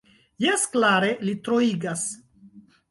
Jes klare, li troigas.